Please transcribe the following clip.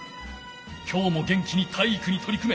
今日も元気に体育に取り組め！